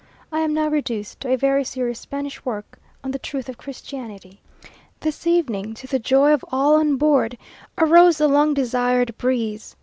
_ I am now reduced to a very serious Spanish work on the truth of Christianity. This evening, to the joy of all on board, arose the long desired breeze.